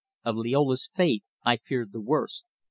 Of Liola's fate I feared the worst.